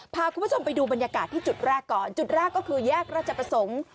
พาคุณผู้ชมไปดูบรรยากาศที่จุดแรกก่อนจุดแรกก็คือแยกราชประสงค์